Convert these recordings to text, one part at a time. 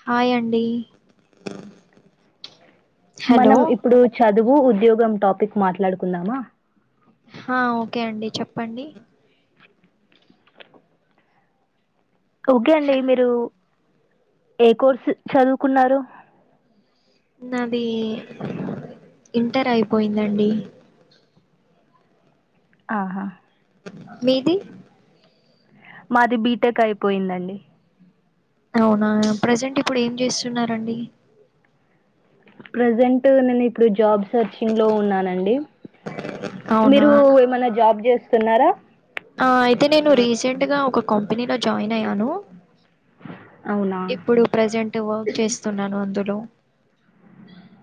Hi అండి hello మనం ఇప్పుడు చ దువు, ఉద్యోగం టాపిక్ మాట్లాడుకుందామా హా ఓకే అండి చెప్పండి ఓకే అండి మీరు ఏ కోర్సు చదువుకున్నారు నాది ఇంటర్ అయిపోయిందండి ఆహా మీది మాది బీ టెక్ అయిపోయిందండి అవునా ప్రజెంట్ ఇప్పుడు ఏం చేస్తున్నారండి ప్రజెంట్ నేను ఇప్పుడు జాబ్స్ సెర్చింగ్ లో ఉన్నానండి అవునా మీరు ఏమన్న జాబ్ చేస్ తిన్నార ఆ అయితే నేను రీసెంట్ గా ఒక కంపెనీలో జాయిన్ అయ్యాను అవునా? ఇప్పుడు ప్రెజెంట్ వర్క్ చేస్తున్నాను అందులో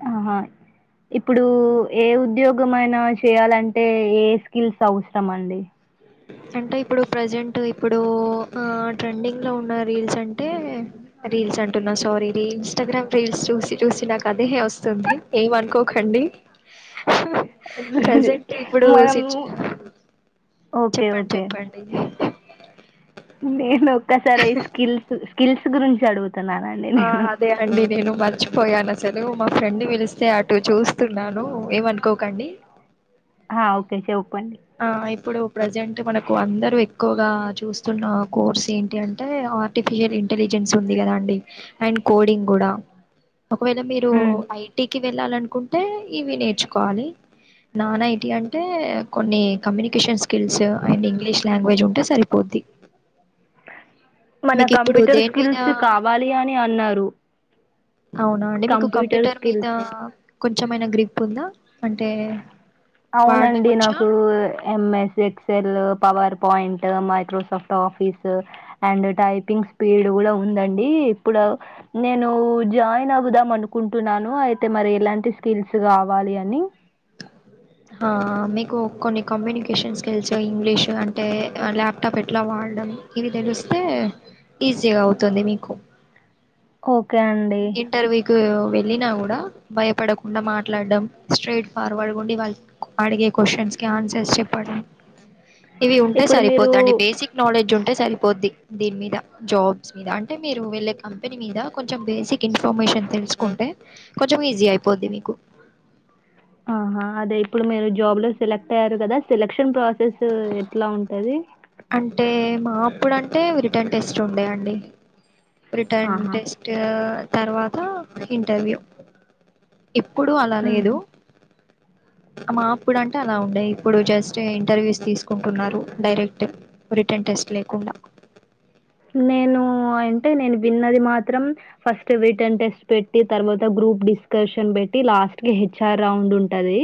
ఆహా ఇప్పుడు ఏ ఉద్యోగం అయనా చేయాలంటే ఏ స్కిల్స్ అవసరం అండి అంటే ఇప్పుడు ప్రజెంట్ ఇప్పుడు ఆ ట్రెండింగ్ లో ఉన్న రీల్స్ అంటే రీల్స్ అంటున్నా సారీ ఇన్స్టాగ్రామ్ రీల్స్ చూసి చూసి నాకు అదే వస్తుంది ఏమనుకోకండి ప్రజెంట్ ఇప్పుడు సిచు [unintelligible] ఓకే చెప్పండి ఓకే చెప్పండి నేను [unintelligible] రే స్కిల్స్ స్కిల్స్ గురించి అడుగు ఆ అదే అండి నేను మర్ ర్చిపోయాను అసలు మా ఫ్రెండ్ పిలిస్తే అటు చూస్తున్నాను ఏమనుకోకండి ఆ ఓకేే చెప్ ఆ ఇప్పుడు ప్రజెంట్ మనకు అందరు ఎక్కువగా చూస్తున్న కోర్స్ ఏంటి అంటే ఆర్టిఫిషియల్ ఇంటెలిజెన్స్ ఉంది కదా అండి అండ్ కోడింగ్ కూడా ఒకవేళ మీరు ఉమ్. ఐటీకి వెళ్ళాలనుకుంటే ఇవి నేర్చుకోవాలి నాన్నతే ఇ అంటే కొన్ని communications skills and English language ఉంటే సరిపోద్ది మన మీకు ఇప్పుడు కంప్యూటర్ దేని స్కిల్స్ మీద కావాలి అని అన్నారు అవునా అండి మీకు కంప్యూటర్ మీద కొంచం అయినా గ్రిప్ ఉందా అంటే వాడడం అవునండి వచ్చా నాకు MS Excel power point Microsoft office and typing speed కూడా ఉందండి ఇప్పుడు నేను జాయిన్ అవుదాం అనుకుంటున్నాను అయితే మరి ఎలాంటి స్కిల్స్ కావాలి అని ఆహా మీకు కొన్ని కమ్యూనికేషన్ స్కిల్స్ ఇంగ్లీషు అంటే ల్యాప్టాప్ ఎట్లా వాడడం ఇవి తెలిస్తే ఈజీగా అవుతుంది మీకు ఓకే అండి ఇంటర్వ్యూకి వె వెళ్ళిన కూడా భయపడకుండా మాట్లాడడండం స్ట్రేట్ ఫార్వర్డ్ ఉండి వాళ్ళు అడిగే క్వశ్చన్స్కి ఆన్సర్స్ చెప్పడం ఇవి ఉంటే ఇప్పుడు మీరు సరిపోదండి బేసిక్ నాలెడ్జ్ ఉంటే సరిపోద్ది దీని మీద జాబ్స్ మీద అంటే మీరు వెళ్ళే కంపెనీ మీద కొంచెం బేసిక్ ఇన్ఫర్మేషన్ తెలుసుకుంటే కొంచెం ఈజీ అయిపోద్ది మీకు ఆహా అదే ఇప్పుడు మీరు జాబ్ లో సెలెక్ట్ అయ్యారు కదా సెలెక్షన్ ప్రాసెస్ ఎట్లా ఉంటది అంటే మా అప్పుడు అంటే రిటర్న్ టెస్ట్ ఉండేయండి రిటర్న్ ఆహా టెస్ట్ తర్వాత ఇంటర్వ్యూ ఎప్పుడు అలా ఉమ్. లేదు మా అప్పుడు అంటే అలా ఉండే ఇప్పుడు జస్ట్ ఇంటర్వ్యూస్ తీసుకుంటున్నారు డైరెక్ట్ రిటర్న్ టెస్ట్ లేకుండా నేను అంటే నేను విన్నది మాత్రం ఫస్ట్ రీటర్న్ టెస్ట్ పెట్టి తర్వాత గ్రూప్ డిస్కషన్ పెట్టి లాస్ట్ క హెచ్ఆర్ రౌండ్ ఉంటంది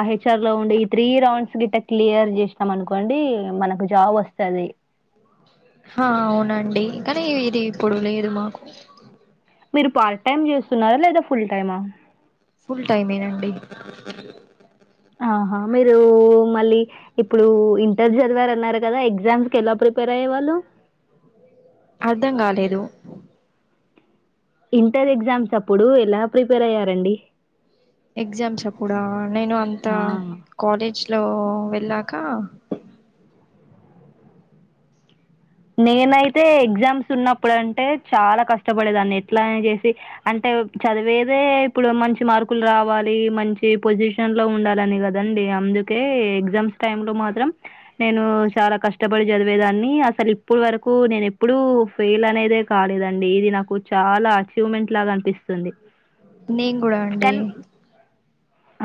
ఆ హెచ్ఆర్ రౌండ్ ఈ త్రీ రౌండ్స్ గి క్లియర్ చేసినాం అనుకోండి మనకు జాబ్ వస్తుంది ఆ అవునండి కానీ ఇది ఇప్పుడు లేదు మాకు మీరు పార్ట్ టైమ్ చేస్తున్నారా లేదా ఫుల్ టైమా ఫుల్ టైమేనండి ఆహా మీరు మళ్ళీ ఇప్పుడు ఇంటర్ చదివారన్నారు కదా ఎగ్జామ్స్కి ఎలా ప్రిపేర్ అయ్యేవాళ్ళు అర్ధం కాలేదు ఇంటర్ ఎగ్జామ్స్ అప్పుడు ఎలా ప్రిపేర్ అయ్యారండి ఎగ్జామ్స్ అప్పుడా నేను అంత ఆ! కాలేజ్ హ లో వెళ్ళాక నేనైతే ఎగ్జామ్స్ ఉన్నప్పుడు అంటే చాలా కష్టపడేదాన్ని ఎట్లా చేసి అంటే చదివేదే ఇప్పుడు మంచి మార్కులు రావాలి మంచి పొజిషన్ లో ఉండాలని కదండి అందుకే ఎగ్జామ్స్ టై లో మాత్రం నేను చాలా కష్టపడి చదివేదాన్ని అసలు ఇప్పుడు వరకు నేన ఎప్పుడూ ఫెయిల్ అనేదే కాలేదండి ఇది నాకు చాలా అచీవ్మెంట్ లాగా అనిపిస్తుంది నేం కూడా అండి కానీ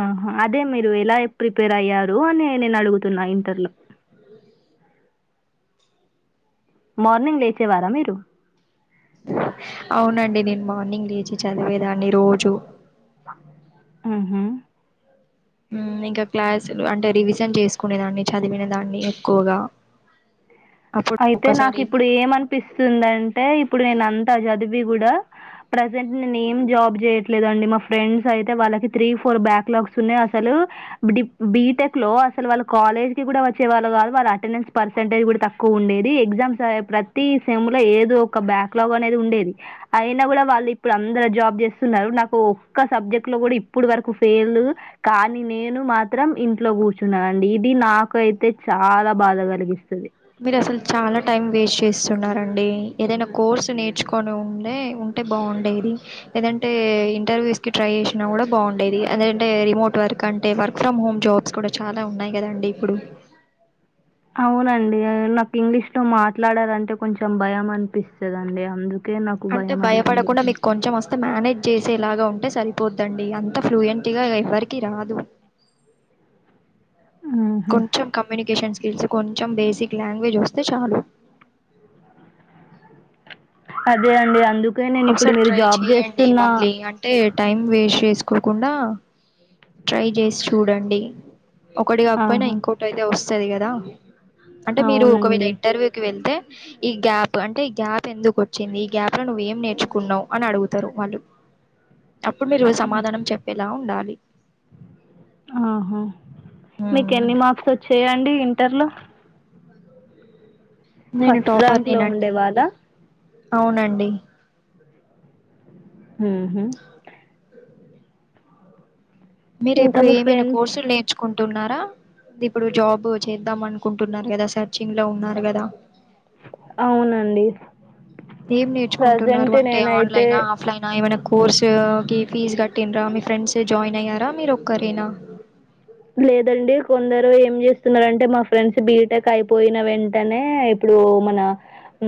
ఆహా అదే మీరు ఎలా ప్రిపేర్ అయ్యారు అని నేను అడుగుతున్నా ఇంటర్లో మార్నింగ్ లేచేవారా మీరు అవునండి నేను మార్నింగ్ లేచి చదివేదాన్ని రోజు ఆహ ఇంకా క్లాసులు అంటే రివిజన్ చేసుకునేదాన్ని చదివినదాన్ని ఎక్కువగా అప్పుడు అయితే నాకు ఒక్కసారి ఇప్పుడు ఏమనిపిస్తుందంటే ఇప్పుడు నేను అంత చది దివి కూడా ప్రసెంట్ నేన్ ఎం జాబ్ చేయట్లేలేదండి మా ఫ్రెండ్స్ అయితే వాళ్ళకి త్రీ ఫోర్ బ్యాక్లాగ్స్ ఉన్నాయి అసలు డీ బీటెక్ లో అసలు వాళ్ళ కాలేజ్ కి కూడా వచ్చే వాళు కాదు వాళ్ళ అటెండెన్స్ పర్సంటేజ్ కూడా త ఎక్కువ ఉండేది ఎగ్జామ్స్ ప్రతి సెమ్ లో ఏదో ఒక బ్యాక్లాగ్ అనేది ఉండేది అయినా కూడా వాళ్ళు ఇప్పుడు అందరు జాబ్ చేస్తున్నారు నాకు ఒక్క సబ్జెక్ట్ లో కూడా ఇప్పుడు వరకు ఫెయిల్ కానీ నేను మాత్రం ఇంట్లో కూర్చున్నా అండి ఇది నాకు అయితే చాలా బాధ కలిగిస్తుంది. మీరు అసలు చాలా టైం వేస్ట్ చేస్తున్నారండి ఏదైనా కోర్సు నేర్చుకొని ఉండే ఉంటే బాగుండేది ఏదంటే ఇంటర్వ్యూస్ కి ట్రై చేసినా కూడా బాగుండేది ఎందటే రిమోట్ వర్క్ అంటే వర్క్ ఫ్రమ్ హోమ్ జాబ్స్ కూడా చాలా ఉన్నాయి కదండి ఇప్పుడు అవునండి నాకు ఇంగ్లీష్ లో మాట్లాడాలంటే కొంచెం భయం అనిపిస్తుదండి అందు అంటే భయపడకుండా మీకు కొంచెం వస్తు మేనేజ్ చేసేలాగా ఉంటే సరిపోద్దండి అంత ఫ్లూయెంట్గా ఎవ్వరికి రాదు ఆహా! కొంచం కమ్యూనికేషన్స్ తెలిసి కొంచెం బేసిక్ లాంగ్వేజ్ వస్తే చాలు అదే అండి అందుక్ ఒకసారి ట్రై చేయండి మళ్ళీ అంటే టైం వేస్ట్ చేసుకో కోకుండా ట్రై చేసి చూడండి ఒకటి కాకపోయినా ఆహా! ఇంకోటి ఐతే వస్తుంది సరే కదా అంటే మీరు ఒకవేళ అవునండి. ఇంటర్వ్యూ కి వెళ్తే ఈ గ్యాప్ అంటే ఈ గ్యాప్ ఎందుకు వచ్చింది ఈ గ్యాప్ లో నువేమ్ ఏం నేర్చుకున్నావు అని అడుగుతారు వాళ్ళు అప్పుడు మీరు సమాధానం చెప్పేలా ఉండాలి ఆహా మీకు ఎన్ని మార్క్స్ వచ్చాయండి ఇంటర్లో? నేను ఫస్ట్ టాపర్ ర్యాంక్ లో ఉండే నేనండి వాళా అవునండి మ్మ్ హ్మ్మ్ మీరు ఇంకా ఇప్పుడు మీ ఏమైనా ఫ్రెండ్స్ కోర్సులు లు నేర్చ్కు కుంటున్నారా ఇప్పుడు జాబ్ చేద్దాం అనుకుంటున్నారు కదా సర్చింగ్ లో ఉన్నారు కదా అవునండి. ఏం నేర్చుకుంటున్నారు ప్రెజెంట్ అంటే నేనైతే ఆన్లైన్ ఆ ఆఫ్లైనా ఏమైనా కోర్సు కి ఫీజ్ కట్టిన్ రా మీ ఫ్రెండ్స్ జాయిన్ అయ్యారా మీరు ఒక్కరేనా? లేదండి కొందరు ఏం చేస్తున్నారంటే మా ఫ్రెండ్స్ బీటెక్ అయిపోయిన వెంటనే ఇప్పుడు మన ఉ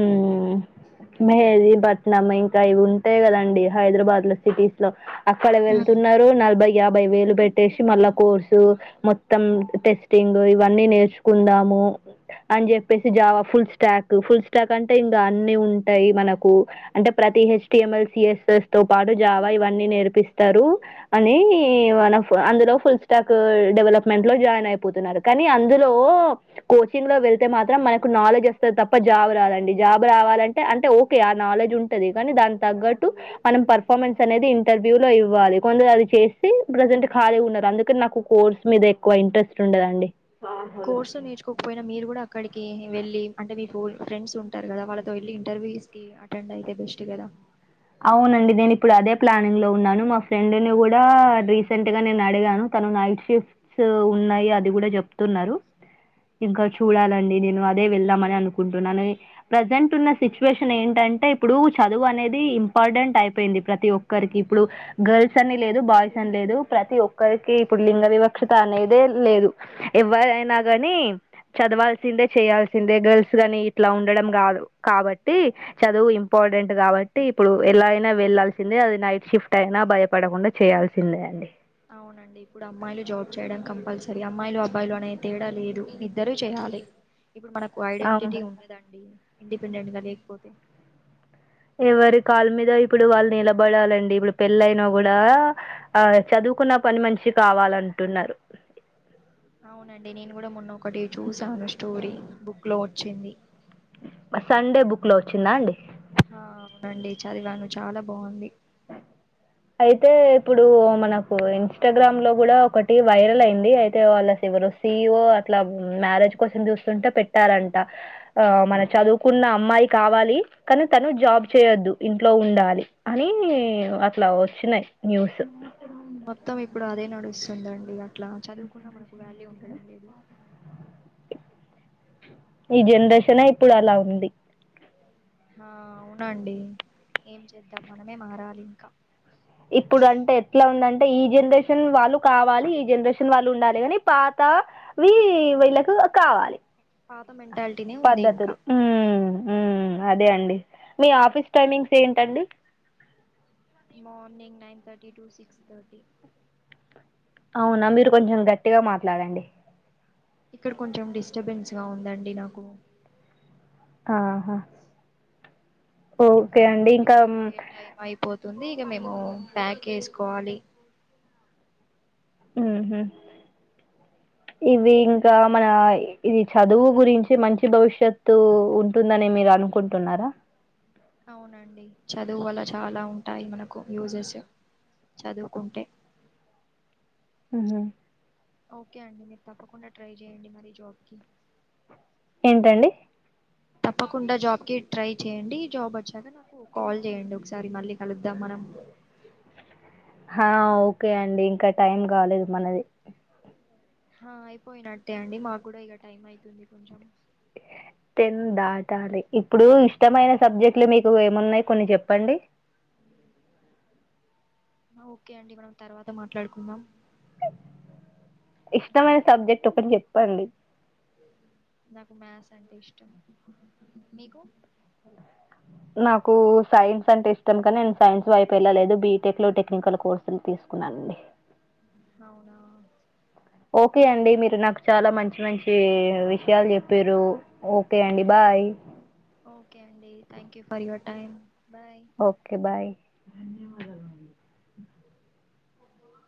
మెహేదిపట్నం ఇంకా ఇవి ఉంటాయి కదండి హైదరాబాద్ లో సిటీస్ లో అక్కడ మ్మ్. వెళ్తున్నారు నలభై యాభై వేలు పెట్టేసి మళ్ళా కోర్స్ తు మొత్తం టెస్టింగ్ ఇవన్నీ నేర్చుకుందాము అని చెప్పేసి Java full stack full stack అంటే ఇంకా అన్ని ఉంటాయి మనకు అంటే ప్రతి హెచ్టిఎంఎల్ సిస్ఎస్ తో పాటు జావా ఇవన్నీ నేర్పిస్తారు అని మనం అందులో ఫుల్ స్టాక్ డెవలప్మెంట్ లో జాయిన్ అయిపోతున్నారు కానీ అందులో కోచింగ్ లో వెళ్తే మాత్రం మనకు నాలెడ్జ్ వస్తుంది తప్ప జాబ్ రాదండి జాబ్ రావాలంటే అంటే ఓకే ఆ నాలెడ్జ్ ఉంటంది కానీ దాని తగ్గట్టు మనం పర్ఫార్మెన్స్ అనేది ఇంటర్వ్యూ లో ఇవ్వాలి కొందరు అది చేసి ప్రెజెంట్ ఖాళీగా ఉన్నారు అందు కె నాకు కోర్స్ మీద ఎక్కువ ఇంట్రెస్ట్ ఉండదండి కోర్సు నేర్చుకోకపోయినా మీరు కూడా అక్కడికి వెళ్ళి అంటే మీ ఓల్డ్ ఫ్రెండ్స్ ఉంటారు కదా వాళ్ళతో వెళ్ళలి ఇంటర్వ్యూస్ కి అటెండ్ అయితే బెస్ట్ కదా అవునండి నేను ఇప్పుడు అదే ప్లానింగ్ లో ఉన్నాను మా ఫ్రెండ్ని కూడా రీసెంట్గా నేను అడిగాను తను నైట్ షిఫ్ట్స్ ఉన్నాయి అది కూడా చెప్తున్నారు ఇంకా చూడాలండి నేను అదే వెళ్దామని అనుకుంటున్నాను ప్రజెంట్ ఉన్న సిచ్యువేషన్ ఏంటంటే ఇప్పుడు చదువు అనేది ఇంపార్టెంట్ అయిపోయింది ప్రతి ఒక్కరికి ఇప్పుడు గర్ల్స్ అని లేదు బాయ్స్ అని లేదు ప్రతి ఒక్కరికి ఇప్పుడు లింగ వివక్షత అనేదే లేదు ఎవరైనా కాని చదవాల్సిందే చేయాల్సిందే గర్ల్స్ నీ ఇట్లా ఉండడం కాదు కాబట్టి చదువు ఇంపార్టెంట్ కాబట్టి ఇప్పుడు ఎలా అయినా వెళ్లాాల్సిందే అది నైట్ షిఫ్ట్ అయినా భయపడకుండా చేయాల్సిందే అండి అవునండి ఇప్పుడు అమ్మాయిలు జాబ్ చేయడం కంపల్సరీ అమ్మాయిలు అబ్బాయిలు అనే తేడా లేదు ఇద్దరూ చేయాలి మనకు ఐడెంటిటీ అవును. ఉండదండి ఇండిపెండెంట్ గా లేకపోతే, ఎవరి కాళ్ళ మీద ఇప్పుడు వాళ్ళు నిలబడాలండి, ఇప్పుడు పెళ్ళైనా కూడా ఆ చదువుకున్న పని మంచి కావాలంటున్నారు. అవునండి నేను కూడా మొన్న ఒకటి చూసాను స్టోరీ బుక్ లో వచ్చింది. సండే బుక్ లో వచ్చిందా అండి, ఆ అవునండి చదివాను చాలా బాగుంది. అయితే ఇప్పుడు మనకు ఇన్స్టాగ్రామ్ లో కూడా ఒకటి వైరల్ అయింది, అయితే వాళ్ళ ఎవరో సిఒ అట్లా మ్యారేజ్ కోసం చూస్తుంటే పెట్టాలంట ఆ మన చదువుకున్న అమ్మాయి కావాలి కానీ తను జాబ్ చేయొద్దు ఇంట్లో ఉండాలి అని, అట్లా వచ్చినాయి న్యూస్, మొత్తం ఇప్పుడు అదే నడుస్తుందండి. ఇట్లా చదువుకున్నా మనకు వ్యాల్యూ ఉండడం లేదు, ఈ జనరేషన్ నే ఇప్పుడు అలా ఉంది. ఆ అవునండి ఏం చేద్దాం, మనమే మారాలి ఇంకా ఇప్పుడు అంటే ఎట్లా ఉందంటే ఈ జనరేషన్ వాళ్ళు కావాలి, ఈ జనరేషన్ వాళ్ళు ఉండాలి కాని పాతవి వీళ్ళకి కావాలి. పాత మెంటాలిటీనే ఉంది పద్ధతులు ఇంకా ఉ ఉ అదే అండి మీ ఆఫీస్ టైమింగ్స్ ఏంటండి, morning nine thirty to six thirty అవునా మీరు కొంచెం గట్టిగా మాట్లాడండి ఇక్కడ కొంచెం డిస్టర్బెన్స్ గా ఉందండి, నాకు ఆహా ఇంకా ఓకే అండి ఇంకా ఆఫీస్ మ్, ఆయిపోయే టైం ఆయిపోతు, ఉంది ఇక మేము ప్యాక్ చేేసుకోవాలి, ఉహు ఇవి ఇంకా మన ఇది చదువు గురించి మంచి భవిష్యత్తు ఉంటుందని మీరు అనుకుంటున్నారా, అవునండి చదువు వల చాలా ఉంటాయి. మనకు యూజెస్ చదువుకుంటే, ఉహు ఓకే అండి మీరు తప్పకుండా ట్రై చేయండి, మరి జాబ్కి ఏంటండి తప్పకుండా జాబ్కిి ట్రై చేయండి జాబ్ వచ్చాక నాకు కాల్ చేయండి, ఒకసారి మళ్ళీ కలుద్దాం మనం హ ఓకే అండి ఇంకా టైం కాలేదు మనది, ఆ అయిపోయినట్టే అండి మాకు కూడా ఇక టైం అయితుంది. కొంచెం టెన్ దాటాలి ఇప్పుడు ఇష్టమైన సబ్జెక్ట్లు మీకు ఏన్ని ఉన్నాయి, కొన్ని చెప్పండి ఓకే అండి మనం తర్వాత మాట్లాడుకుందాం. అండీ నాకు మ్యాథ్స్ అంటే ఇష్టం నీకు, నాకు సైన్స్ అంటే ఇష్టం కానీ నేను సైన్స్ వైపు వెళ్ళలేదు బీటెక్ లో టెక్నికల్ కోర్సులు తీసుకున్నానండి. అవునా ఓకే అండి మీరు నాకు చాలా మంచి మంచి విషయాలు చెప్పిరు. ఓకే అండి thank you for your time bye okay bye